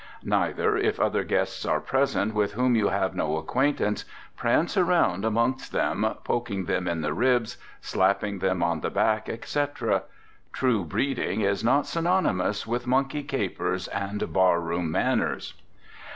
Neither, if other guests are present with whom you have no acquaintance, prance around amongst them, poking them in the ribs, slapping them on the back, etc. True breeding is not synonymous with monkey capers and bar room manners.